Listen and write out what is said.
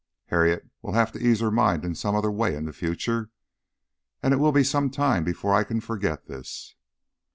"Harriet will have to ease her mind in some other way in the future. And it will be some time before I can forget this."